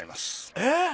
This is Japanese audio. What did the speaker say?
えっ！